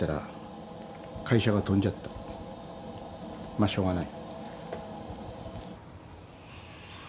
まあしょうがない。